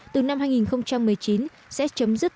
từ năm hai nghìn một mươi chín sẽ chấm dứt